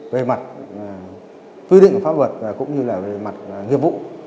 về mặt quy định pháp luật cũng như là về mặt nghiệp vụ